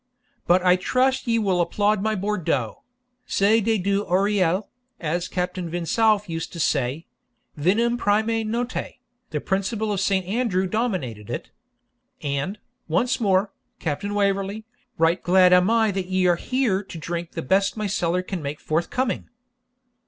But I trust ye will applaud my Bourdeaux; c'est des deux oreilles, as Captain Vinsauf used to say; vinum primae notae, the principal of Saint Andrews denominated it. And, once more, Captain Waverley, right glad am I that ye are here to drink the best my cellar can make forthcoming.'